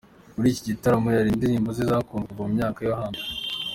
Muri iki gitaramo yaririmbye indirimbo ze zakunzwe kuva mu myaka yo hambere